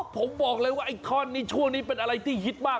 ผมบอกเลยว่าไอ้ท่อนนี้ช่วงนี้เป็นอะไรที่ฮิตมาก